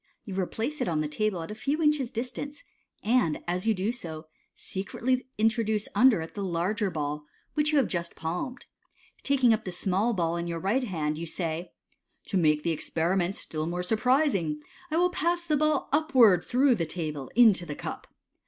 You replace it on the table at a few inches' dis tance, and as you do so, secretly introduce under it the larger ball which you have just palmed. Taking up the small ball in your right hand, you say, To make the experiment still more surprising, I will pass the ball upwards through the table into the cup."